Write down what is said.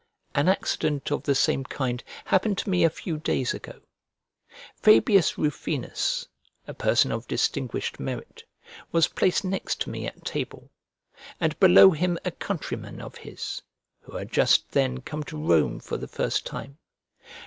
An accident of the same kind happened to me a few days ago. Fabius Rufinus, a person of distinguished merit, was placed next to me at table; and below him a countryman of his, who had just then come to Rome for the first time.